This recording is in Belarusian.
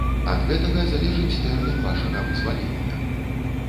Ад гэтага залежыць тэрмін вашага вызвалення.